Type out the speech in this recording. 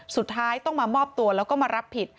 สุดท้ายต้องมามอบตัวแล้วก็มารับผิด